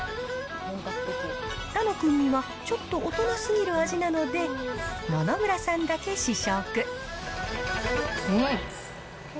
楽君にはちょっと大人すぎる味なので、野々村さんだけ試食。